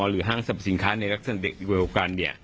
หรือห้างสรรพสินค้าในลักษณะเด็กบริโภคกรรม